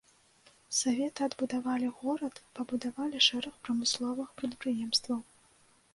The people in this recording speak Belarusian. Саветы адбудавалі горад, пабудавалі шэраг прамысловых прадпрыемстваў.